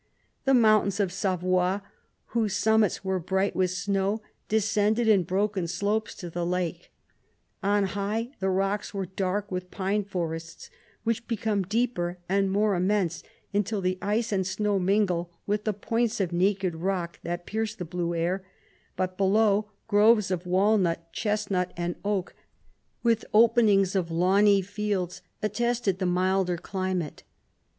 The mountains of Savoy, whose sum mits were bright with snow, descended in broken slopes to the lake : on high, the rocks were dark with pine forests, which become deeper and more im mense, until the ice and snow mingle with the points of naked rock that pierce the blue air; but below, groves of walnut, chesnut, and oak, with 114 openings of lawny fields, attested the milder climate.